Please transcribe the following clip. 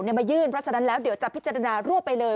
มายื่นเพราะฉะนั้นแล้วเดี๋ยวจะพิจารณารวบไปเลย